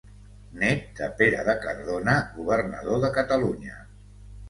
Nét de Pere de Cardona, governador de Catalunya.